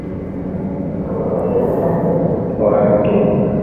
jukumu na wajibu wa taifa nzima lakini nadhani